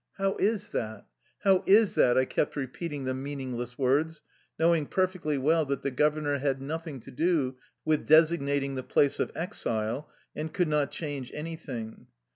" How is that? how is that? " I kept repeating the meaningless words, knowing perfectly well that the governor had nothing to do with desig nating the place of exile and could not change anything.